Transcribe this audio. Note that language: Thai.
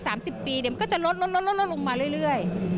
อ่ะ๓๐ปีเดี๋ยวมันก็จะลดลงมาเรื่อย